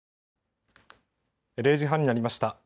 ０時半になりました。